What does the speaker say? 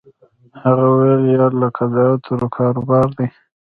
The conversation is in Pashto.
هغه ویل یار لکه د عطرو کاروبار دی